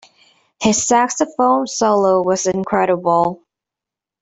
His saxophone solo was incredible.